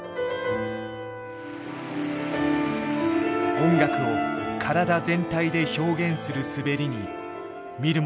音楽を体全体で表現する滑りに見る者は心を奪われる。